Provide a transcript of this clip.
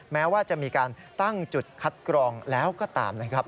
แม้ว่าจะมีการตั้งจุดคัดกรองแล้วก็ตามนะครับ